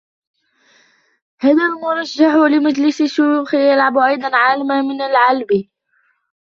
هذا المرشح لمجلس الشيوخ يلعب أيضاً عالم من العلب.